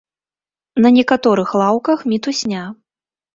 На некаторых лаўках мітусня.